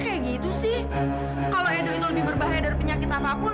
kalau edo itu lebih berbahaya dari penyakit apapun